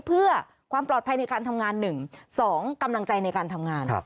เพื่อความปลอดภัยในการทำงาน๑๒กำลังใจในการทำงาน